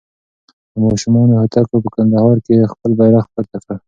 د افغانستان هوتکو په کندهار کې خپل بیرغ پورته کړ.